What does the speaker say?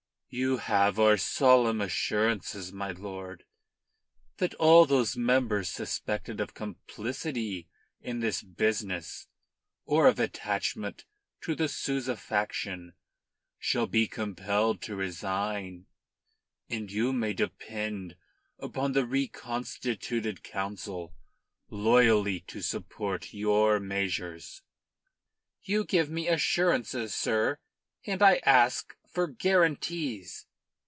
"You have our solemn assurances, my lord, that all those members suspected of complicity in this business or of attachment to the Souza faction, shall be compelled to resign, and you may depend upon the reconstituted Council loyally to support your measures." "You give me assurances, sir, and I ask for guarantees."